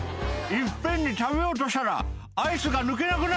「一遍に食べようとしたらアイスが抜けなくなった」